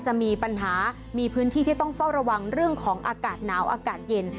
จะมีปัญหามีพื้นที่ที่ต้องเฝ้าระวังเรื่องของอากาศหนาวอากาศเย็น